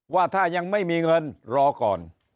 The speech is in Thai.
ว่าถ้ายังไม่มีเงินรอก่อน